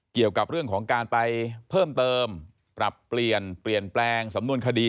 เกี่ยวกับเรื่องของการไปเพิ่มเติมปรับเปลี่ยนเปลี่ยนแปลงสำนวนคดี